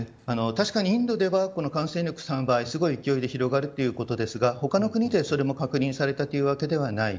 確かに、インドでは感染力３倍すごい勢いで広がるということですが他の国で、それも確認されたわけではない。